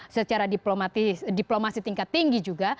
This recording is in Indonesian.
secara diplomasi tingkat tinggi juga